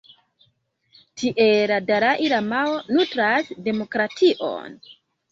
Tiel la dalai-lamao nutras demokration.